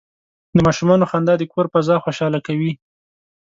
د ماشومانو خندا د کور فضا خوشحاله کوي.